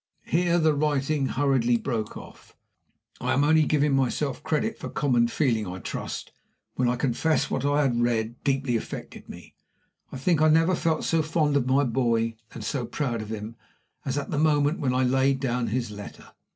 Here the writing hurriedly broke off. I am only giving myself credit for common feeling, I trust, when I confess that what I read deeply affected me. I think I never felt so fond of my boy, and so proud of him, as at the moment when I laid down his letter.